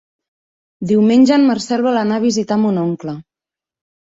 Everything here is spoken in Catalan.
Diumenge en Marcel vol anar a visitar mon oncle.